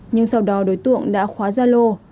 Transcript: nhưng sau đó đối tượng đã khóa gia lô